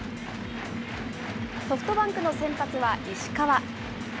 ソフトバンクの先発は石川。